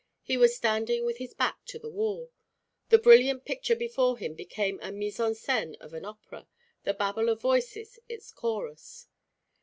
He was standing with his back to the wall. The brilliant picture before him became the mise en scène of an opera, the babble of voices its chorus.